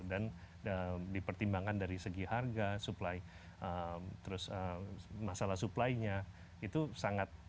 dan dipertimbangkan dari segi harga supply terus masalah supply nya itu sangat